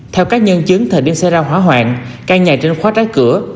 theo các nhân chứng thời điểm xảy ra hỏa hoạn căn nhà trên khóa trái cửa